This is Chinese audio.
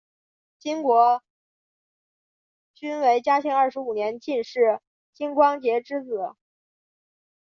金国均为嘉庆二十五年进士金光杰之子。